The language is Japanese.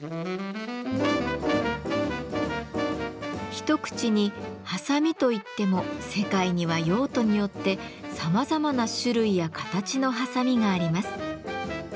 一口にはさみと言っても世界には用途によってさまざまな種類や形のはさみがあります。